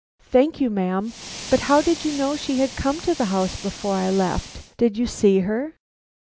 "Thank you, ma'am. But how did you know she had come to the house before I left. Did you see her?"